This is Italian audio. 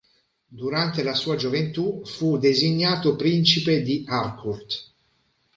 Durante la sua gioventù, fu designato principe di Harcourt.